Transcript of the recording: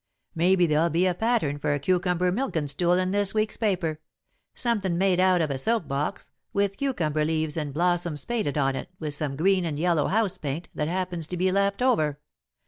Maybe there'll be a pattern for a cucumber milkin' stool in this week's paper; somethin' made out of a soap box, with cucumber leaves and blossoms painted on it with some green and yellow house paint that happens to be left over.